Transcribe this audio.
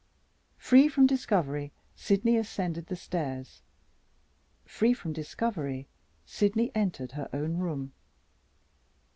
Free from discovery, Sydney ascended the stairs. Free from discovery, Sydney entered her own room.